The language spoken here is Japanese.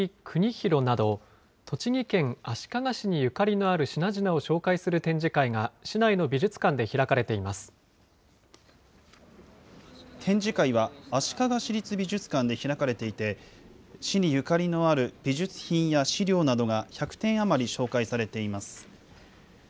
国広など、栃木県足利市にゆかりのある品々を紹介する展示会が、展示会は、足利市立美術館で開かれていて、市にゆかりのある美術品や資料などが１００点余り紹介されています。